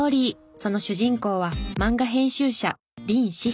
その主人公は漫画編集者林士平。